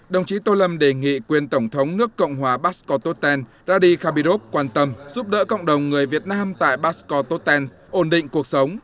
đồng chí tô lâm đề nghị quyền tổng thống nước cộng hòa basco totten radi khabirov quan tâm giúp đỡ cộng đồng người việt nam tại basco tototen ổn định cuộc sống